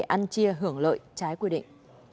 ăn chia hưởng lợi trái quy định